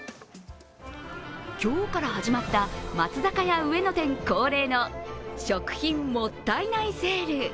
今日から始まった松坂屋上野店恒例の食品もったいないセール。